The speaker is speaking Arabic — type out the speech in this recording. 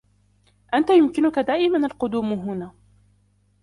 أنتَ يمكنكَ دائماً القدوم هنا.